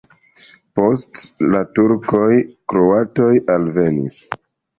Post la turkoj kroatoj alvenis.